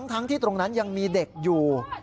ทั้งที่ตรงนั้นยังมีเด็กอยู่